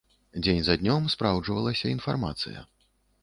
Дзень за днём спраўджвалася інфармацыя.